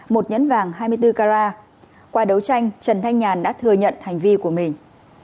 một nhẫn vàng hai mươi bốn carat qua đấu tranh trần thanh nhàn đã thừa nhận hành vi của mình